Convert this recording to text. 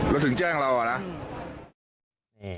แล้วก็ขี่กลับมา